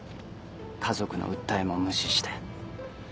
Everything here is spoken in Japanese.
家族の訴えも無視して。